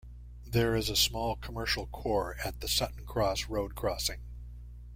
There is a small commercial core at the Sutton Cross road crossing.